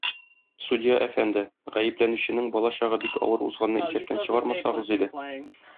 Судья әфәнде, гаепләнүченең балачагы бик авыр узганны исәптән чыгармасагыз иде.